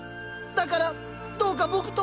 だからどうか僕と。